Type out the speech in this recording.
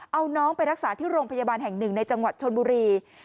เอาน้องไปรักษาที่โรงพยาบาลแห่งหนึ่งในจังหวัดชนบุรี